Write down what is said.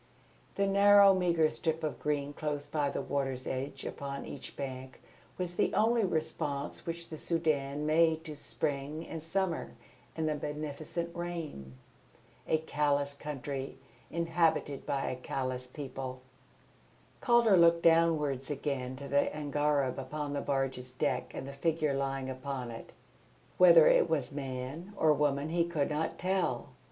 The narrow meagre strip of green close by the water's edge upon each bank was the only response which the Soudan made to Spring and Summer and the beneficent rain. A callous country inhabited by a callous people. [Footnote 2: The native bedstead of matting woven across a four legged frame.] Calder looked downwards again to the angareb upon the barge's deck and the figure lying upon it. Whether it was man or woman he could not tell.